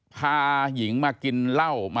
พาหญิงมากินเหล้า